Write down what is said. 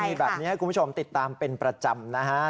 มีแบบนี้ให้คุณผู้ชมติดตามเป็นประจำนะฮะ